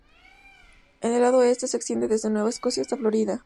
En el lado oeste se extiende desde Nueva Escocia hasta Florida.